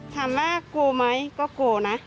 ถามว่ากลัวไหมก็กลัวนะ